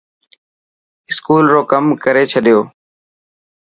اسڪول رو ڪم ڪري ڇڏيو.